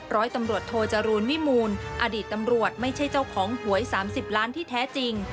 ร้อยตำรวจโทจรูลวิมูลอดีตตำรวจไม่ใช่เจ้าของหวย๓๐ล้านที่แท้จริง